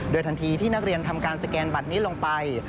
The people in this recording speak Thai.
ทันทีที่นักเรียนทำการสแกนบัตรนี้ลงไป